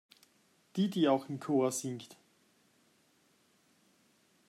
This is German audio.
Die, die auch im Chor singt.